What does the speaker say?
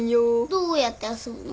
どうやって遊ぶの？